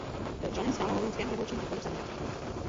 Byl členem stálého rumunského revolučního výboru v Sedmihradsku.